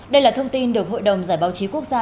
đây là thông tin được hội đồng giải báo chí quốc gia